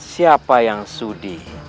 siapa yang sudi